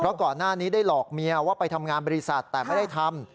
เพราะก่อนหน้านี้ได้หลอกเมียว่าไปทำงานบริษัทแต่ไม่ได้ทำ